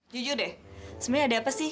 jujur deh sebenarnya ada apa sih